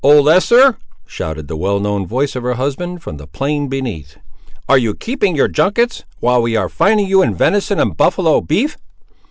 old Eester;" shouted the well known voice of her husband, from the plain beneath; "ar' you keeping your junkets, while we are finding you in venison and buffaloe beef?